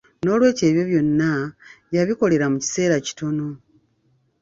N'olw'ekyo ebyo byonna, yabikolera mu kiseera kitono.